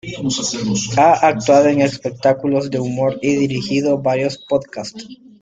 Ha actuado en espectáculos de humor y dirigido varios podcasts.